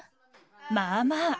まあまあ。